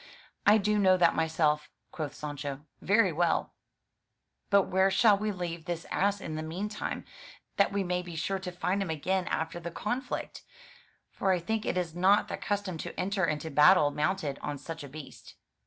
"I do know that myself," quoth Sancho, "very well; but where shall we leave this ass in the meantime, that we may be sure to find him again after the conflict? — For I think it is not the custom to enter into battle mounted on such a beast."